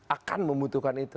akan membutuhkan itu